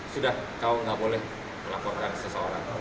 sudah kau nggak boleh melaporkan seseorang